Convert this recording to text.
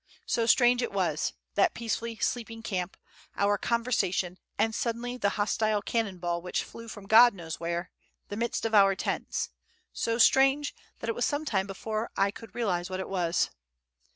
So strange it was, that peacefully sleeping camp, our conversation, and suddenly the hostile cannon ball which flew from God knows where, the midst of our tents, so strange that it was some time before I could realize what it was.